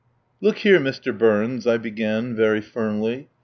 "Look here, Mr. Burns," I began very firmly.